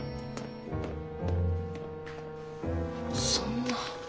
そんな。